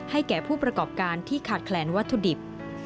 แก่ผู้ประกอบการที่ขาดแคลนวัตถุดิบ